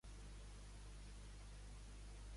Dos infants remen en la seva barca un llac fosc.